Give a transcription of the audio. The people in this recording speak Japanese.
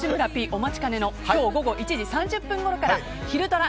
お待ちかねの今日午後１時３０分ごろからひるドラ！